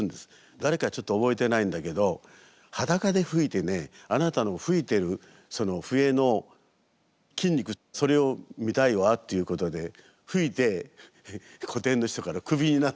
誰かちょっと覚えてないんだけどはだかで吹いてねあなたの吹いてるその笛のっていうことで吹いて古典の人からクビになった。